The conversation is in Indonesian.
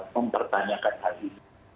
mempertanyakan hal ini